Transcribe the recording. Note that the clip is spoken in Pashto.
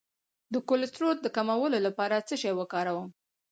د کولیسټرول د کمولو لپاره څه شی وکاروم؟